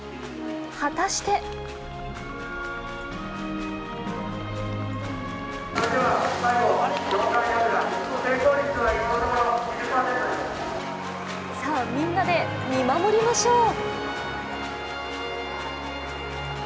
果たしてさあ、みんなで見守りましょう。